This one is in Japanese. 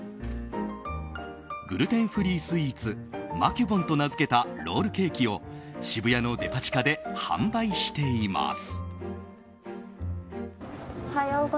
グルテンフリースイーツマキュボンと名付けたロールケーキを渋谷のデパ地下で販売しています。